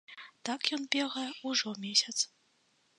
Так ён бегае ўжо месяц.